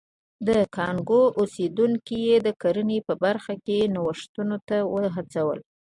د کانګو اوسېدونکي یې د کرنې په برخه کې نوښتونو ته وهڅول.